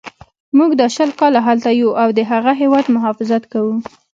موږ دا شل کاله هلته یو او د هغه هیواد مخافظت کوو.